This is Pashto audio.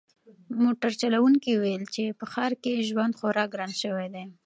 موټر چلونکي وویل چې په ښار کې ژوند خورا ګران شوی دی.